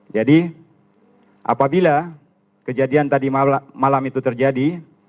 jadi apabila kejadian tadi malam itu terjadi